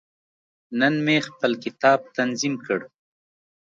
نن مې خپل کتاب تنظیم کړ.